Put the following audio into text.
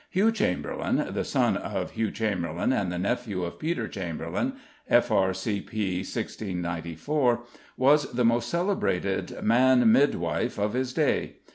=Hugh Chamberlen=, the son of Hugh Chamberlen and the nephew of Peter Chamberlen (F.R.C.P. 1694), was the most celebrated man midwife of his day.